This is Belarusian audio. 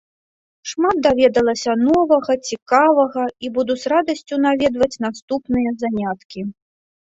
Шмат даведалася новага, цікавага, і буду з радасцю наведваць наступныя заняткі.